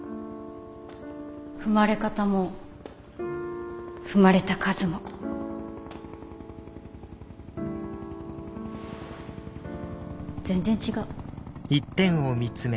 踏まれ方も踏まれた数も全然違う。